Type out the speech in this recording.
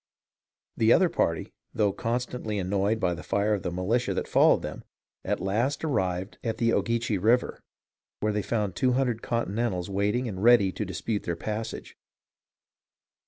The other party, though constantly annoyed by the fire of the militia that followed them, at last arrived at the Ogeechee River, where they found two hundred Continentals waiting and ready to dispute their passage.